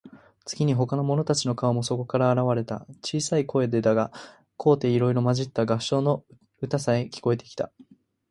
次に、ほかの者たちの顔もそこから現われた。小さい声でだが、高低いろいろまじった合唱の歌さえ、聞こえてきた。